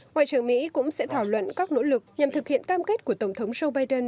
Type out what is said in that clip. ngoại trưởng mỹ cũng sẽ thảo luận các nỗ lực nhằm thực hiện cam kết của tổng thống joe biden